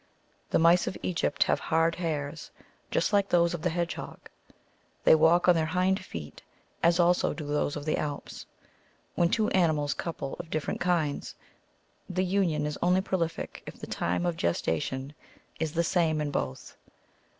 The mice of Egypt have hard hairs, just like those of the hedge hog. They walk on their hind feet, as also do those of the Alps. AVhen two animals couple of dift'erent kinds, the union is only prolific if the time of gestation is the same in both.